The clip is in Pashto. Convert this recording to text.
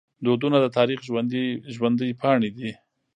دودونه د تاریخ ژوندي پاڼې دي.